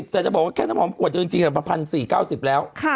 แต่จะบอกว่าแค่น้ำหอมกวดจริง๑๔๙๐บาทแล้ว